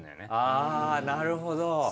ああなるほど。